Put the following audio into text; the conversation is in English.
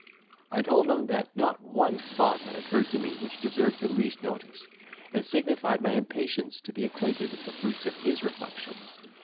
I told him, that not one thought had occurred to me which deserved the least notice, and signified my impatience to be acquainted with the fruits of his reflection.